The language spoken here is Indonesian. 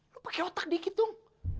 lo pake otak dikit dong